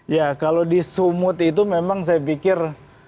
ya kalau di sumut itu memang saya pikir